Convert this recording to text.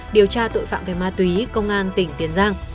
điều tra tội phạm về ma túy công an tỉnh tiền giang